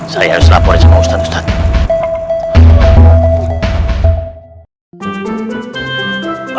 saya harus laporin sama ustadz ustadz